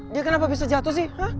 dia kenapa bisa jatuh sih